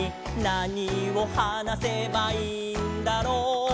「なにをはなせばいいんだろう？」